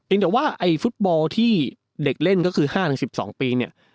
แต่ว่าไอ้ฟุตบอลที่เด็กเล่นก็คือ๕๑๒ปีเนี่ย